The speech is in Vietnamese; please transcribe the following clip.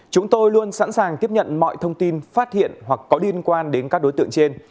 chúng tôi luôn sẵn sàng tiếp nhận mọi thông tin phát hiện hoặc có liên quan đến các đối tượng trên